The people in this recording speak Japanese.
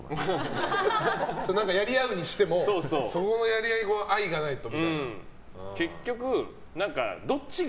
やり合うにしてもそのやり合いも愛がないと。